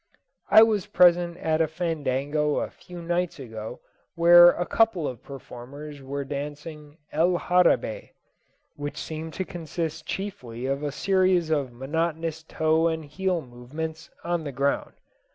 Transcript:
I was present at a fandango a few nights ago where a couple of performers were dancing "el jarabe," which seemed to consist chiefly of a series of monotonous toe and heel movements on the ground.